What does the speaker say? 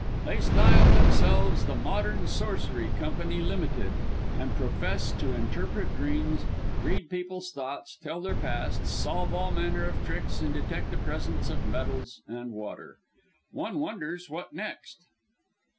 "They style themselves 'The Modern Sorcery Company Ltd.,' and profess to interpret dreams, read people's thoughts, tell their pasts, solve all manner of tricks and detect the presence of metals and water. One wonders what next!"